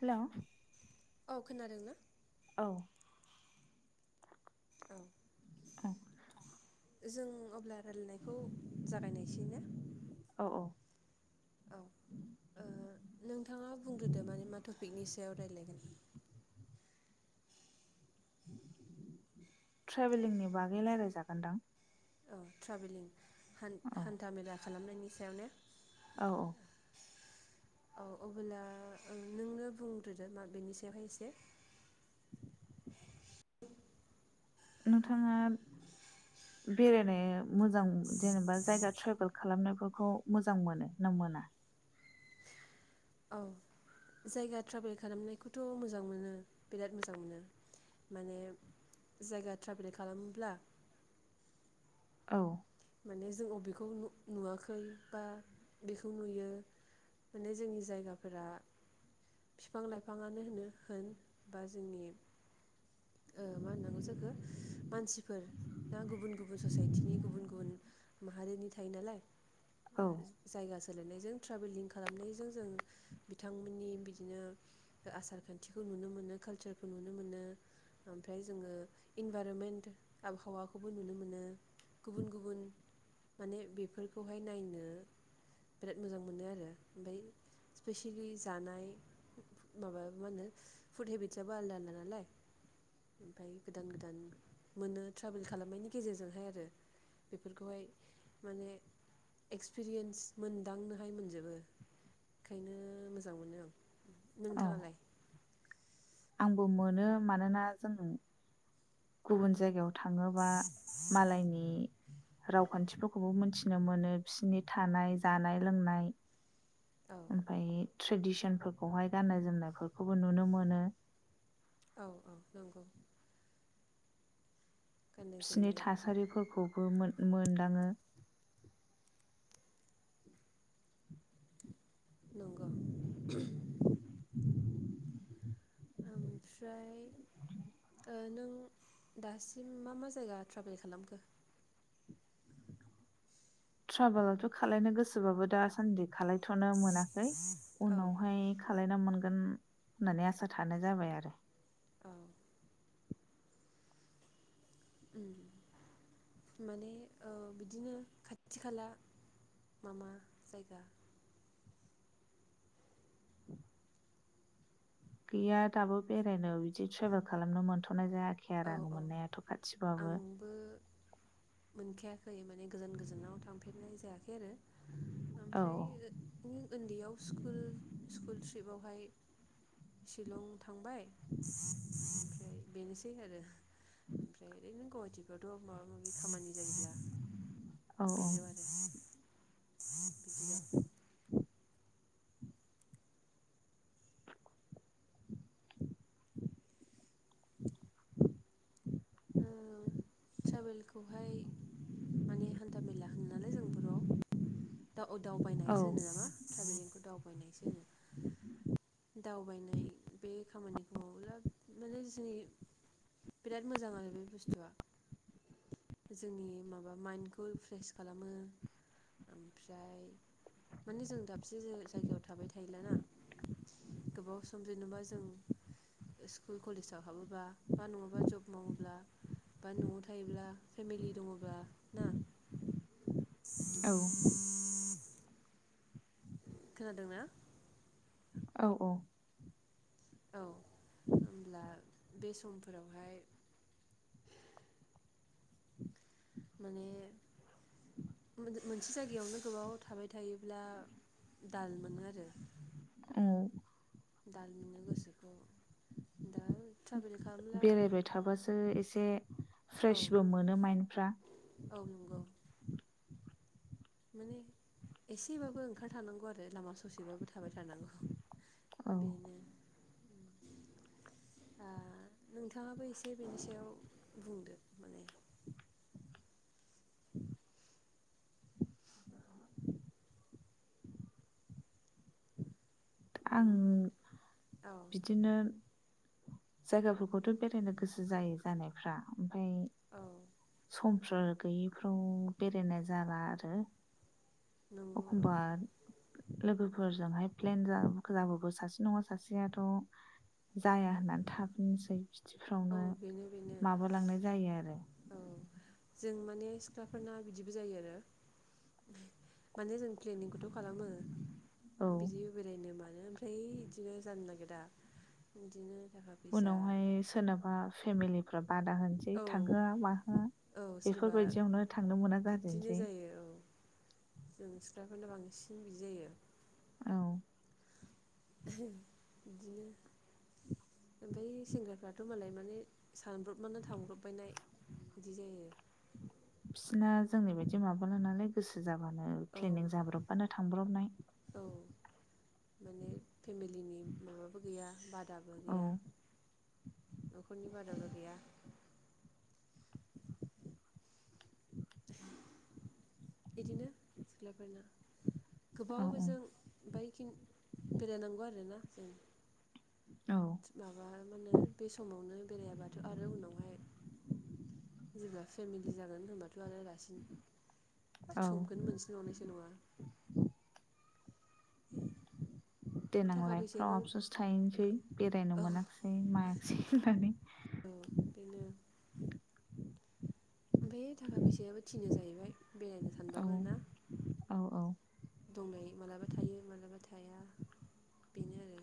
हेल' औ खोनादों ना? अ औ अ जों अब्ला रायलायनायखौ जागायनायसै ना? औ औ औ ओं नोंथाङा बुंग्रोदो माने मा टपिकनि सायाव रायज्लायगोन। ट्रेभेलिंनि बागै रायज्लायजागोनदां? औ ट्रेभेलिं। औ हान-हान्थामेला खालामनायनि सायावनो औ औ। औ अबोला नोंनो बुंग्रोदो मा बेनि सायावहाय एसे। नोंथाङा बेरायनो मोजां जेनेबा जायगा ट्रेभेल खालामनायफोरखौ मोजां मोनो ना मोना? औ जायगा ट्राभेल खालामनायखौथ' मोजां मोनो बिराद मोजां मोनो माने जायगा ट्राभेल खालामोब्ला औ। माने जों बबेखौ नुवाखै बा बेखौ नुयो माने जोंनि जायगाफोरा बिफां -लाइफाङानो होनो होन बा जोंनि मा होननांगौ जाखो मानसिफोर दा गुबुन गुबुन ससाइटिनि गुबुन गुबुन गुबुन माहारिनि थायो नालाय। ओ औ। जायगा सोलायनायजों ट्रभेलिं खालामनायजों जों बिथांमोननि बिदिनो आसार खान्थिखौ नुनो मोनो कालचारखौ नुनो मोनो ओमफ्राय जोङो इनभाइरमेन्ट आबहावाखौबो नुनो मोनो। गुबुन गुबुन माने बेफोरखौहाय नायनो बिराद मोजां मोनो आरो ओमफफ्राय स्पेसियेलि जानाय माबा मा होनो फुड हेबिटसआबो आलदा आलदा नालाय ओमफ्राय गोदान गोदान मोनो ट्रभेल खालामनायनि गेजेरजोंहाय आरो। बेफोरखौहाय माने एक्सपिरियेन्स मोनदांनोहाय मोनजोबो ओंखायनो मोजां मोनो आं औ नोंथाङालाय? आंबो मोनो मानोना जों गुबुन जायगायाव थाङोबा मालायनि रावखान्थिफोरखौबो मोनथि [unintelligible] मोनो फिसिनो मोनो फिसिनि थानाय जानाय लोंनाय औ ओमफाय ट्रेडिसनफोरखौहाय गाननाय जोमनायफोरखौबो नुनो मोनो। औ औ नंगौ। गाननाय फिसिनि जोमनाय थासारिफोरखौ बो मोन-मोनदाङो। नंगौ ओमफ्राय ओ नों दासिम मा मा जायगा ट्राभेल खालामखो? ट्राभलाथ' खालायनो गोसोबाबो दासान्दि खालायथ'नो मोनाखै औ उनावहाय खालायना मोनगोन होननानै आसा थानाय जाबाय आरो। औ उम माने ओ बिदिनो खाथि खाला मा मा जायगा गैया दाबो बेरायनो बिदि ट्रेभेल खालामनो मोनथ'नाय औ औ जा [unintelligible] मोनखाया खै माने गोजान गोजानाव थांफेरनाय जायाखै आरो औ ओमफ्राय [unintelligible] उन्दैयाव स्कुल स्कुल थ्रिबावहाय शिलं थांबाय ओमफ्राय बेनोस बे आरो। ओमफ्राय [unintelligible] [unintelligible] बाथ' माबा माबि खामानि जायोब्ला। औ बेल' आरो। [inaudible] [inaudible] [inaudible] औ ट्रेभेलखौहाय माने हान्था मेला होनो नालाय जों बर'आव दा अ औ दावबायनायसो होनो नामा ट्रेभेलिंखौ? दावबायनायसो होनो दावबायनाय बे खामानिखौ मावोब्ला माने जोंनि बिराद मोजां आरो बे बुस्थुआ। जोंनि माबा माइन्डखौ फ्रेस खालामो ओमफ्राय माने जों दाबसे जा-जायगायाव थाबाय थायलाना गोबाव सम जेनेबा जों स्कुल कलेजाव हाबोबा बा नङाबा जब मावोब्ला बा न'आव था थायोब्ला फेमिलि दङब्ला ना? औ खोनादोंना? औ औ। औ होनब्ला बे समफोरावहाय माने [unintelligible] मोनसे जायगायावनो गोबाव थाबाय थायोब्ला दाल मोनो आरो। औ दाल मोनो गोसोखौ दा ट्रेभेल बेरायबाय थाबासो एसे औ फ्रेशबो मोनो माइन्डफ्रा। औ नंगौ माने एसेबाबो ओंखार थारनांगौ आरो लामा ससेबाबो थाबाय थारनांगौ औ बेनो ओ नोंथाङाबो एसे बेनि सायाव बुंदो माने आं [inaudible] बिदिनो जायगाफोरखौथ' बेरायनो गोसो जायो जानायफ्रा ओमफाय औ समफोर गैयैफ्राव बेरायनाय जाला आरो। नंगौ औ अखमबा लोगोफो फोरजोंहाय प्लेन जा [unintelligible] सासे नङा सासे सेयाथ' जाया होननानै थाफिनोसै औ खिथिफ्रावनो बेनो बेनो माबालांनाय जायो आरो औ जों माने सिख्लाफोरना बिदिबो जायो आरो माने जों प्लेनिंखौथ' खालामो औ बिदि बेरायनो मा मानो ओमफ्राय बिदिनो जानो नागिरा बिदिनो थाखा फैसा उनावहाय सोरनाबा फेमिलिफ्राब बादा होनसै औ थांहोआ माहोआ औ सोरबा बेफोरबायदियावनो थांनो मोना बिदिनो जाजेनसै फाइफोरनो बांसिन बिदि जायो औ बिदिनो ओमफ्राय सेंग्राफ्राथ' मालाय माने सानब्रबनानै थांब्रब बायनाय बिदि जायो बिसिना जोंनि बायदि माबाला नालाय गोसो जाबाय ब्लानो औ क्लिनिक जाब्रबानो थांब्रबनाय औ माने फेमिलिनि मादाबो गैया बादाबो औ गैया नखरनि बादाबो गैया। बिदिनो सिख्लाफोरना। औ गोबावजों बायखि बेरायनांगौ आरो ना जों। औ माबा माहोनो बे समावनो बेरायाबाथ आरो उनावहाय जेब्ला फेमिलि जागोन होनबाथ आरो रासिन औ समखौनो मोनसिन बावनायसो नङा। देनां थाखा लाइफफ्राव फैसायाबो आबसुस थाहैनोसै बेरायनो मोनाखैसै मायाखिसै होनानै। बेनो ओमफ्राय थाखा फैसायाबो थिनो जाहैबाय। बेरायनो औ सानबाबो ना। औ औ दंनाय मालाबा थायो मालाबा थाया बेनो आरो।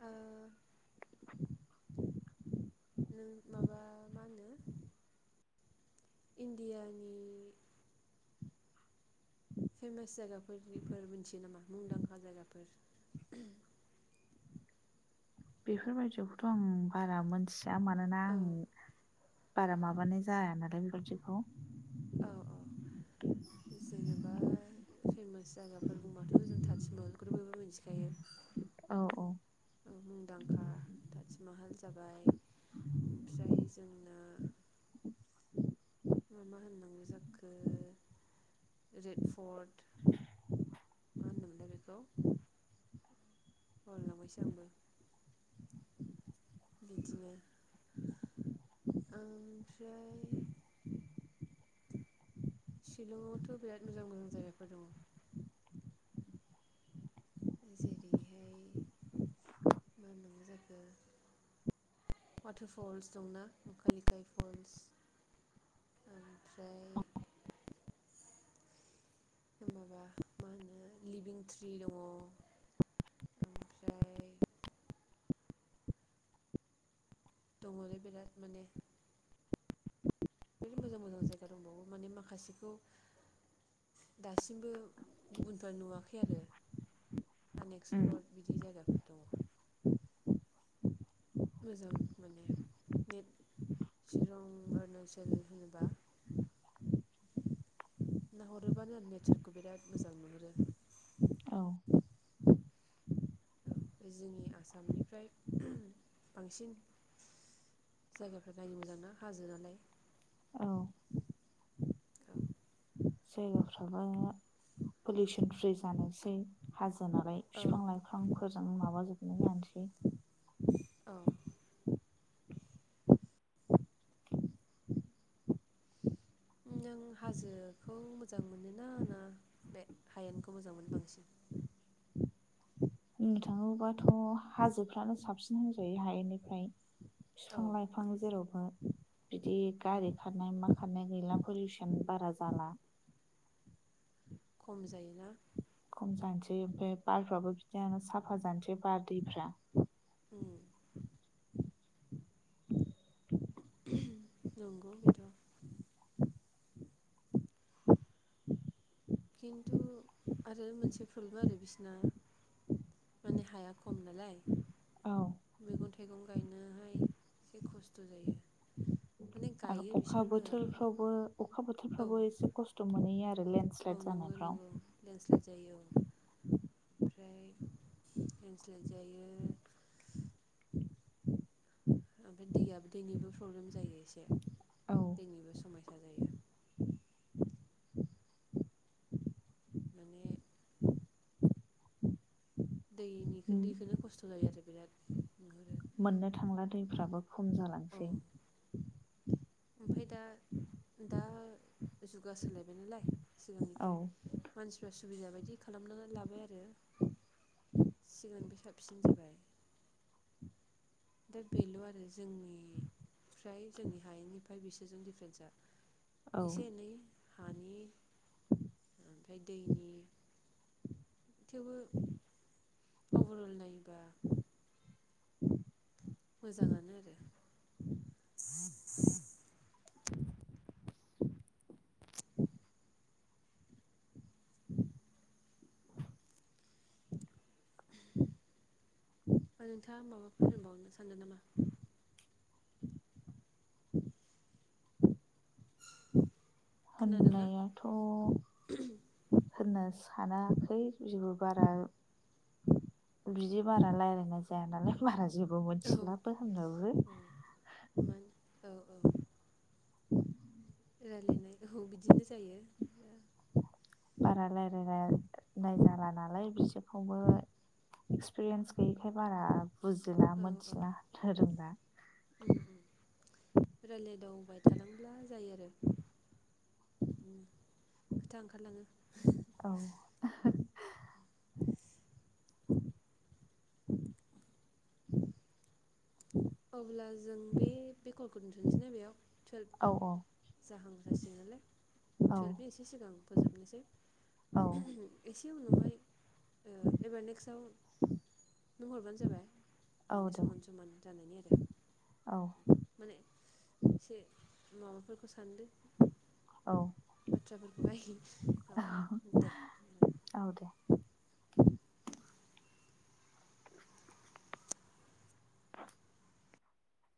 ओ नों माबा मा होनो इण्डियानि फेमास जायगाफोरनि मुं मोनथियो नामा मुंदांखा जायगाफोर। बेफोरबायदिखौथ आं बारा मोनथि दा मानोना औ आं बारा माबानाय जाया नालाय बेफोरबायदिखौ। औ औ जेनेबा फेमास जायगाफोर बुंबाथ जों ताजमहलखौनो बयबो मिथिखायो औ औ औ मुंदांखा ताजमाहाल जाबाय ओमफ्राय जोंना मा मा होननांगौ जाखो रेड फर्ट मा होनोमोनलाय बेखौ बागरलांबायसो आंबो। बिदिनो ओमफ्राय शिलंआवथ बिराद मोजां मोजां जायगाफोर दङ। जेरैहाय मा होनो जाखो वाटार फल्स दंना कलिकाय फल्स ओमफ्राय माबा मा होनो लिभिं ट्रि दङ ओमफ्राय दङलै बिराद माने। बिराद मोजां-मोजां जायागाफोन दंबावो माने तोम माखासेखौ दासिमबो गुबुनफ्रा नुवाखै आरो आनएक्सप्लरद बिदि जायगाफोर‌ दङ। मोजां मोनो नेट चिरं अरुणाचल होनोबा नाहरोबानो आरो नेचारखौ बिराद मोजां नुहुरो। औ। औ बे जोंनि आसामनिफ्राय बांसिन जायगाफ्रा नायनो मोजां ना हाजो नालाय। औ जायगाफ्राबो पलिउसन फ्रि जानोसै हाजो जोनायखाय औ बिफां लाइफांफोर मोजां माबाजोबना लानोसै। औ। नों हाजोखौ मोजां मोनोना ना बे हायेनखौ मोजां मोनो बांसिन? बुंनो थाङोबाथ हाजोफ्रानो साबसिन होनजायो हायनिख्रुय। औ बिफां लाइफां जेराव बार बिदि औ गारि खारनाय मा खारनाय गैला पलुसन बारा जाला। खम जायोना। खम जानोसै ओमफ्राय बारफ्राबो बिदियनो साफा जानोसै बार दैफ्रा। उम नंगौ बेथ' खिन्थु आरो मोनसे प्रब्लेम आरो बिसिना माने हाया खम नालाय औ मैगं थाइगं गायनोहाय एसे खस्थ' जायो माने गायो अखा बिसोरबो बोथोरफ्रावबो अखा औ बोथोरफ्रावबो एसे खस्थ' मोनहैयो आरो रो औ लेन्डस्लाइद नंगौ जानायफ्राव। नंगौ लेन्डस्लाइद जायो ओमफ्राय लेण्सस्लायट जायो। ओमफ्राय दैआबै दैनिबो प्रब्लेम जायो एसे दैनिबो समयसा जायो। माने दैनि दैखोननो खस्थ' जायो आरो [inaudible] मोननो थांला दैफ्राबो खम जालांसै ओमफफ्राय दा दा जुगा सोलायबाय नालाय औ सिगांनिफ्राय मानसिफ्रा सुबिदा बायदि खालामना लाबाय आरो सिगांनिफाइ साबसिन जाबाय। दा बेल' आरो जोंनिफ्राय जोंनि हायेनिफ्राय बिसोरजों दिफारेन्सा औ एसे एनै हानि ओमफ्राय दैनि थेवबो अभारअल नायोबा मोजाङानो आरो फाय नोंथाङा माबाफोर होनबावनो सानदोंन नामा? खोनादोंना होननायाथ' होननोस सानाखै जेबो बारा बिदि बारा रायलायनाय जाया नालाय बारा जेब बो औ मिनथिलाबो होनबाबो औ मान औ औ रायलायनाय औ बिदिनो जायो। बारा लायराला नायनाला नालाय बिसोरखौबो एक्सपिरियेन्स गैयिखाय बारा बुजिला औ औ मिनथिला रोंला थालांब्ला जायो आरो खोथा ओंखारलाङो औ [inaudible] [inaudible] अब्ला जों बे बे कलखौ दोनथ'नोसै ना बेयाव थोरब औ जाहां जासिनोले औ थोरबि एसे सिगां फोजोबनोसै। औ एसे उनावहाय ओ एबार नेक्स्ट बुंहरबानो जाबाय औ माने दे समान समान नायनि आरो औ माने एसे माबाफोरखौ सानदो औ बाथ्राफोरखौहाय औ दे औ दे [inaudible]